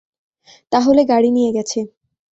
তাহলে গাড়ি নিয়ে গেছে।